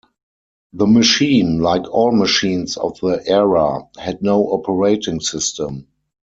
The machine, like all machines of the era, had no operating system.